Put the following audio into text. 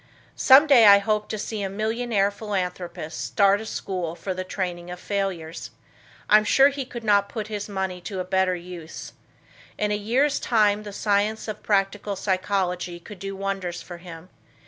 Some day I hope to see a millionaire philanthropist start a school for the training of failures. I am sure he could not put his money to a better use. In a year's time the science of practical psychology could do wonders for him.